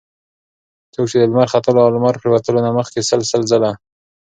څوک چې د لمر ختلو او لمر پرېوتلو نه مخکي سل سل ځله